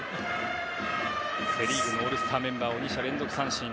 セ・リーグのオールスターメンバーを２者連続三振。